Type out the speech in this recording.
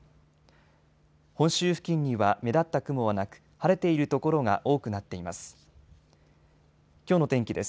本州付近には目立った雲はなく晴れている所が多くなっています。